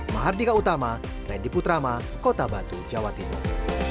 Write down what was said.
mahardika utama randy putrama kota batu jawa timur